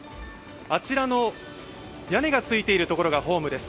あちらの屋根が付いている所がホームです。